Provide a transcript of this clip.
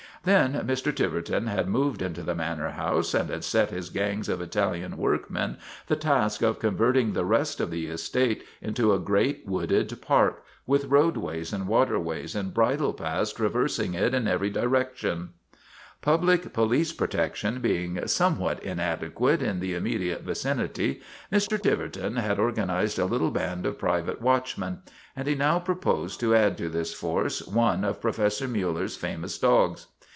Then Mr. Tiverton had moved into the manor house and had set his gangs of Italian workmen the task of converting the rest of the estate into a great wooded park, with roadways and waterways and bridle paths traversing it in every direction. STRIKE AT TIVERTON MANOR 133 Public police protection being somewhat inade quate in the immediate vicinity, Mr. Tiverton had organized a little band of private watchmen, and he now proposed to add to this force one of Profes sor Miiller's famous dogs.